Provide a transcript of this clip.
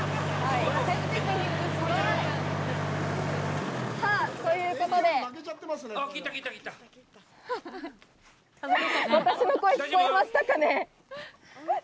すごい！さあ、ということで、私の声、聞こえましたかね。